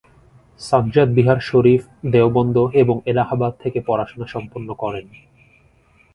সাজ্জাদ বিহার শরীফ, দেওবন্দ এবং এলাহাবাদ থেকে পড়াশোনা সম্পন্ন করেন।